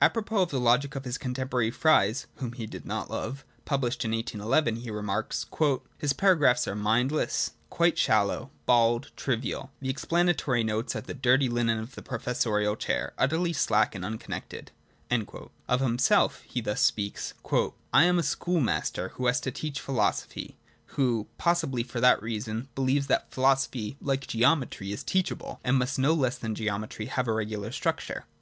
Apropos of the logic of his contemporary Fries (whom he did not love), published in 1811, he remarks: 'His paragraphs are mindless, quite shallow, bald, trivial; the explanatory notes are the dirty linen of the professorial chair, utterly slack and unconnected \' Of himself he thus speaks :' I am a schoolmaster who has to teach philo sophy,— who, possibly for that reason, believes that philosophy like geometry is teachable, and must no less than geometry have a regular structure.